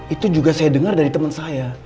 itu juga saya dengar dari teman saya